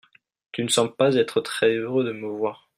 tu ne sembles pas être très heureux de me voir.